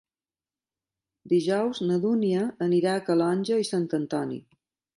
Dijous na Dúnia anirà a Calonge i Sant Antoni.